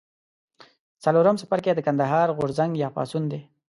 څلورم څپرکی د کندهار غورځنګ یا پاڅون دی.